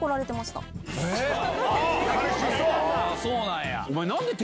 あぁそうなんや。